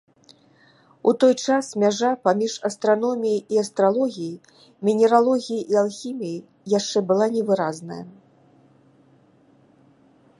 У той час мяжа паміж астраноміяй і астралогіяй, мінералогіяй і алхіміяй яшчэ была невыразнай.